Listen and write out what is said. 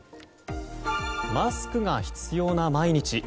マスクが必要な毎日。